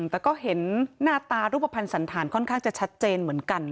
แต่ก็เห็นหน้าตารูปภัณฑ์สันธารค่อนข้างจะชัดเจนเหมือนกัน